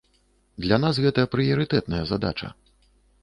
Для нас гэта прыярытэтная задача.